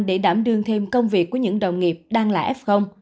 để đảm đương thêm công việc của những đồng nghiệp đang là f